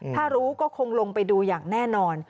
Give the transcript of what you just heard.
ถ้ารู้ก็คงลงไปดูอย่างแน่นอน